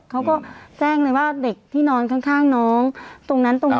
เขาก็แจ้งเลยว่าเด็กที่นอนข้างน้องตรงนั้นตรงนี้